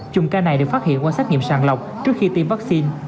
chùm ca này được phát hiện qua xét nghiệm sàng lọc trước khi tiêm vaccine